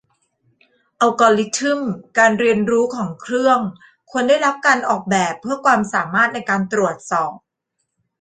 อัลกอริทึมการเรียนรู้ของเครื่องควรได้รับการออกแบบเพื่อความสามารถในการตรวจสอบ